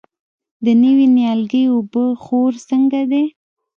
د نوي نیالګي اوبه خور څنګه دی؟